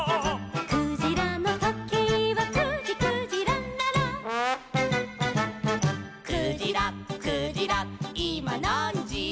「クジラのとけいは９じ９じららら」「クジラクジラいまなんじ」